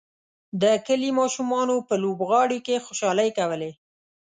د کلي ماشومانو په لوبغالي کې خوشحالۍ کولې.